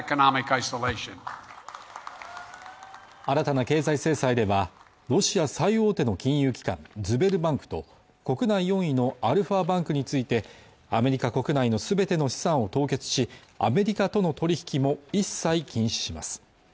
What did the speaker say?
新たな経済制裁ではロシア最大手の金融機関ズベルバンクと国内４位のアルファバンクについてアメリカ国内のすべての資産を凍結しアメリカとの取引も一切禁止します